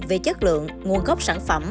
về chất lượng nguồn gốc sản phẩm